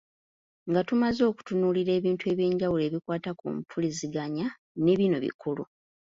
Nga tumaze okutunuulira ebintu eby’enjawulo ebikwata ku mpuliziganya ne bino bikulu.